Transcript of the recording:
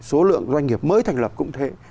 số lượng doanh nghiệp mới thành lập cũng thế